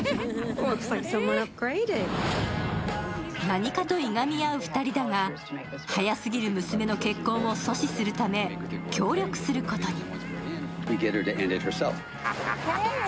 何かといがみ合う２人だが、早すぎる娘の結婚を阻止するため協力することに。